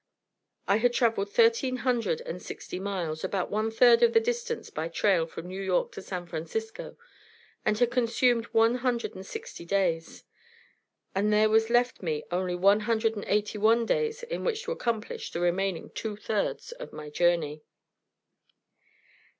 I had traveled thirteen hundred and sixty miles, about one third of the distance by trail from New York to San Francisco, and had consumed one hundred and sixty days; and there was left me only one hundred and eighty one days in which to accomplish the remaining two thirds of my journey.